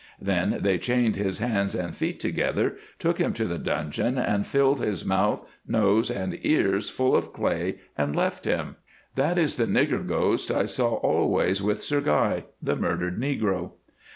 Then they chained his hands and feet together, took him to the dungeon, and filled his mouth, nose, and ears full of clay and left him. That is the nigger ghost I saw always with Sir Guy—the murdered negro.